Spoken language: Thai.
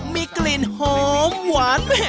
มีกลิ่นหอมหวาน